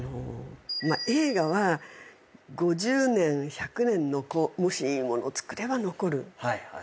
映画は５０年１００年のもしいいものを作れば残ると思うんですね。